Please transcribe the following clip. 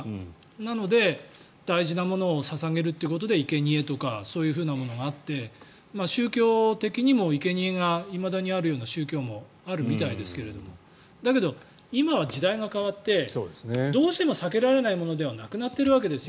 なので、大事なものを捧げるということでいけにえとかそういうものがあって宗教的にも、いけにえがいまだにあるような宗教もあるみたいですけどだけど、今は時代が変わってどうしても避けられないものではなくなっているわけです。